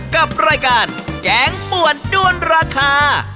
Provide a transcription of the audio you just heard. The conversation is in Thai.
กับรายการแกงป่วนด้วนราคา